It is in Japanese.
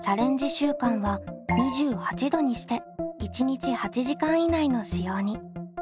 週間は２８℃にして１日８時間以内の使用に。